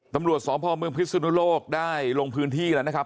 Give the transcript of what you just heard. ตำรวจสพเมืองพิศนุโลกได้ลงพื้นที่แล้วนะครับ